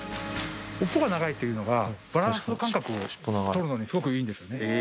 尾っぽが長いっていうのが、バランス感覚を取るのにすごくいいんですね。